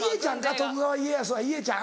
徳川家康はイエちゃん？